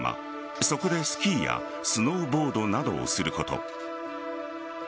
そこでスキーやスノーボードなどをすること。